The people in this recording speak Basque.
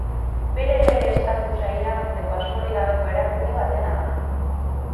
Bere lege estatusa irabazteko asmorik gabeko erakunde batena da.